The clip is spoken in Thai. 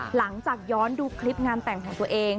หลังจากย้อนดูคลิปงานแต่งของตัวเอง